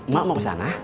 mak mau kesana